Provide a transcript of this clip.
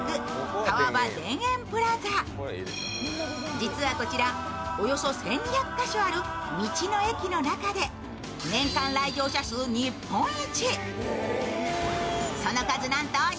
実はこちらおよそ１２００カ所ある道の駅の中で年間来場者数日本一。